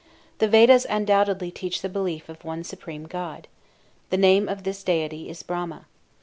The Vedas undoubtedly teach the belief of one supreme God. The name of this deity is Brahma.